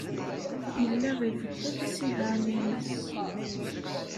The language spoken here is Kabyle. Yella ibeṭṭel isihaṛen-nnes.